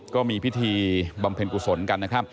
ก็มีพิธีบำเพ็ญกุศลกัน